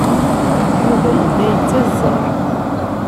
Yuba yella yettazzal.